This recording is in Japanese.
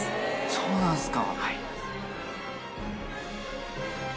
そうなんすか！